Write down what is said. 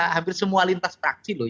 hampir semua lintas fraksi loh